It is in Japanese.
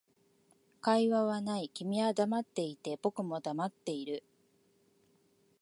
会話はない、君は黙っていて、僕も黙っている